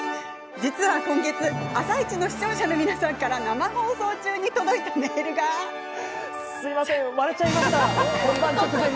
実は今月「あさイチ」の視聴者の皆さんから生放送中に届いたメールがすいません